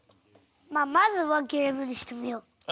まあまずはゲームにしてみよう。